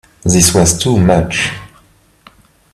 This was too much.